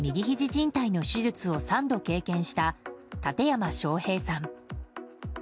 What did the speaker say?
じん帯の手術を３度経験した館山昌平さん。